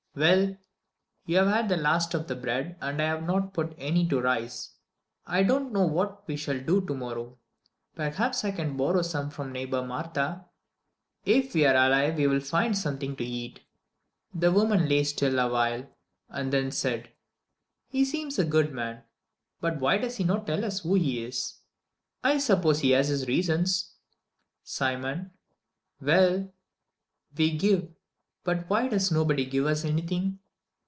"Well?" "You have had the last of the bread, and I have not put any to rise. I don't know what we shall do tomorrow. Perhaps I can borrow some of neighbor Martha." "If we're alive we shall find something to eat." The woman lay still awhile, and then said, "He seems a good man, but why does he not tell us who he is?" "I suppose he has his reasons." "Simon!" "Well?" "We give; but why does nobody give us anything?"